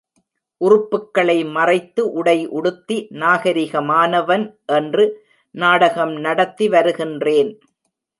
உறுப்புக்களை மறைத்து, உடை உடுத்தி நாகரிகமானவன் என்று நாடகம் நடத்திவருகின்றேன்!